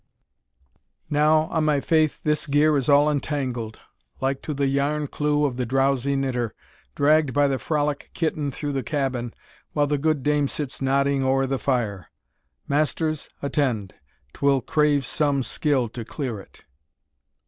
Now, on my faith, this gear is all entangled, Like to the yarn clew of the drowsy knitter, Dragg'd by the frolic kitten through the cabin, While the good dame sits nodding o'er the fire! Masters, attend; 'twill crave some skill to clear it.